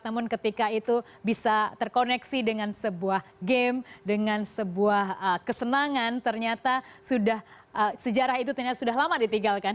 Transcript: namun ketika itu bisa terkoneksi dengan sebuah game dengan sebuah kesenangan ternyata sejarah itu ternyata sudah lama ditinggalkan